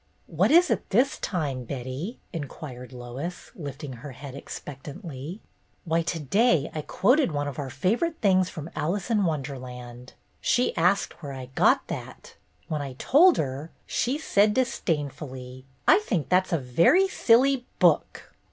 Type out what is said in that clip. ''What is it this time, Betty?" inquired Lois, lifting her head expectantly. "Why, to day I quoted one of our favorite things from 'Alice in Wonderland.' She asked where I got that. When I told her, she said disdainfully: 'i think that 's a very silly book.